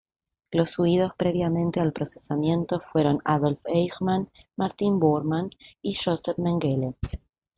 Los huidos previamente al procesamiento fueron Adolf Eichmann, Martin Bormann y Josef Mengele.